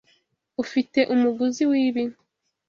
Ufite umuguzi wibi?